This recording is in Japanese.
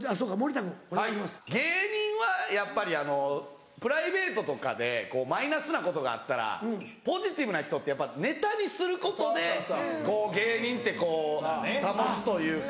芸人はやっぱりあのプライベートとかでマイナスなことがあったらポジティブな人ってやっぱネタにすることでこう芸人ってこう保つというか。